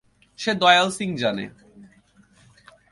সে দয়াল সিং জানে।